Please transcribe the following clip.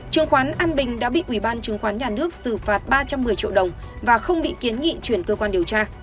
trường quán an bình đã bị ủy ban chứng khoán nhà nước xử phạt ba trăm một mươi triệu đồng và không bị kiến nghị chuyển cơ quan điều tra